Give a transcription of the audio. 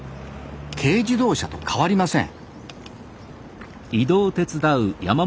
軽自動車と変わりません